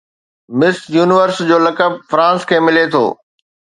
مس Universe جو لقب France کي ملي ٿو